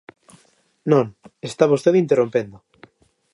Non, está vostede interrompendo.